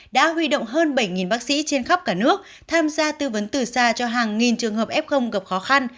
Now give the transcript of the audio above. đã huy động hơn bảy bác sĩ trên khắp cả nước tham gia tư vấn từ xa cho hàng nghìn trường hợp f gặp khó khăn